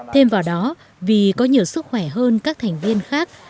thêm vào đó vì có nhiều sức khỏe hơn các thành viên khác